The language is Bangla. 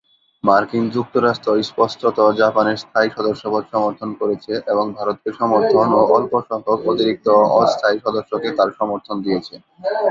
মার্কিন যুক্তরাষ্ট্র স্পষ্টত জাপানের স্থায়ী সদস্যপদ সমর্থন করেছে এবং ভারতকে সমর্থন ও অল্প সংখ্যক অতিরিক্ত অ-স্থায়ী সদস্যকে তার সমর্থন দিয়েছে।